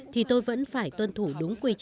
thì tôi vẫn phải tuân thủ đúng cách